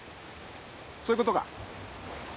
そういうことか？